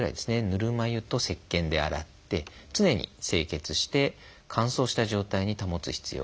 ぬるま湯とせっけんで洗って常に清潔にして乾燥した状態に保つ必要があります。